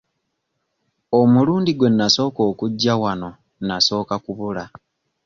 Omulundi gwe nnasooka okujja wano nnasooka kubula.